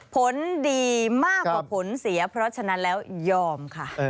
ผลดีมากกว่าผลเสียเพราะฉะนั้นแล้วยอมค่ะ